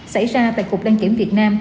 xảy ra tại cục đăng kiểm việt nam